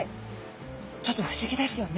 ちょっと不思議ですよね。